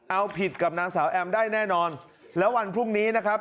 เอาผิดกับนางสาวแอมได้แน่นอนแล้ววันพรุ่งนี้นะครับ